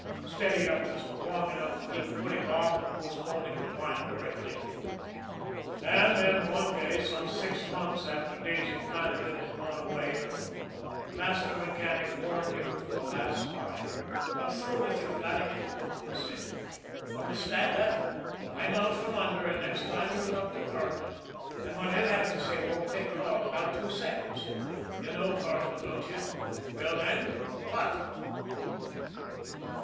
Steady up just long enough to keep putting off and postponing the final reckoning. And then one day, some six months after Daisy Flannagan had gone away, the master mechanic warned him for the last time. "I'm through with you, Flannagan," he said. "Understand that? I'm out from under, and next time you'll talk to Carleton and what he'll have to say won't take long about two seconds. You know Carleton, don't you? Well, then what?"